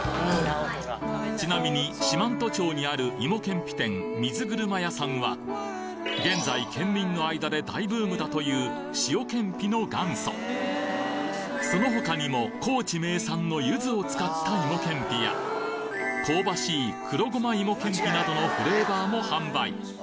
ちなみに四万十町にある芋けんぴ店「水車亭」さんは現在県民の間で大ブームだという塩けんぴの元祖その他にも高知名産のゆずを使った芋けんぴや香ばしい黒ごま芋けんぴなどのフレーバーも販売